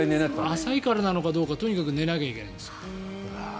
浅いからなのか、とにかく寝なきゃいけないんです。